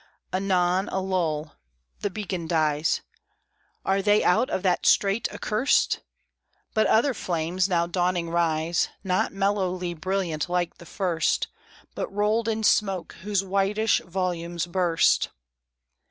Anon a lull. The beacon dies. "Are they out of that strait accurst?" But other flames now dawning rise, Not mellowly brilliant like the first, But rolled in smoke, whose whitish volumes burst.